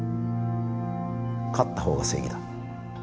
勝ったほうが正義だ。